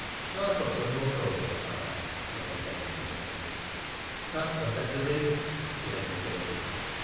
"Shall I put some more coal on the fire?" Edward Henry suggested. "Perhaps I'd better ring," she hesitated.